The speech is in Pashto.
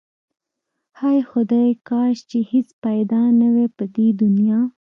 هی خدایا کاش چې هیڅ پیدا نه واي په دی دنیا